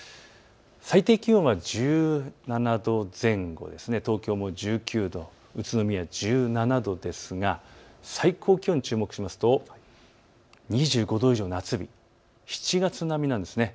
最低気温は１７度前後、東京も１９度、宇都宮１７度ですが最高気温に注目しますと２５度以上、夏日、７月並みなんです。